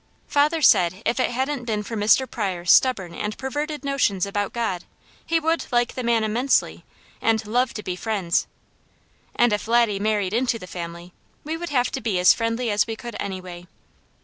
Father said if it hadn't been for Mr. Pryor's stubborn and perverted notions about God, he would like the man immensely, and love to be friends; and if Laddie married into the family we would have to be as friendly as we could anyway.